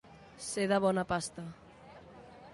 Ser de bona pasta.